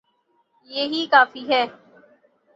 یہی کافی ہے۔